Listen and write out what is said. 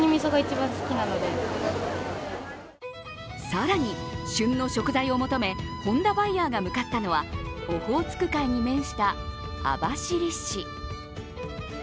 更に、旬の食材を求め本田バイヤーが向かったのはオホーツク海に面した網走市。